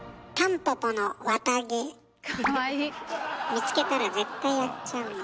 見つけたら絶対やっちゃうの。